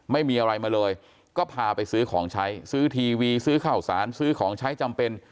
ไม่มีอะไรมาเลยก็พาไปซื้อของใช้ซื้อทีวีซื้อข้าวสารซื้อของใช้จำเป็น